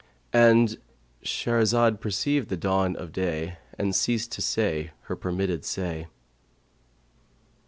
'"—And Shahrazad perceived the dawn of day and ceased to say her permitted say.